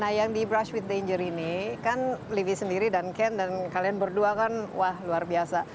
nah yang di brush with danger ini kan livi sendiri dan ken dan kalian berdua kan wah luar biasa